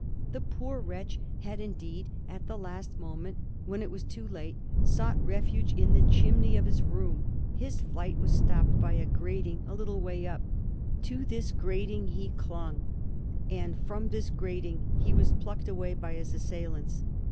The poor wretch had indeed at the last moment, when it was too late, sought refuge in the chimney of his room; his flight was stopped by a grating a little way up; to this grating he clung, and from this grating he was plucked away by his assailants.